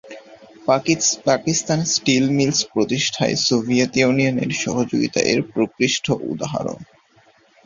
Pakistan steel mills প্রতিষ্ঠায় Soviet ইউনিয়নের সহযোগিতা এর প্রকৃষ্ট উদাহরণ।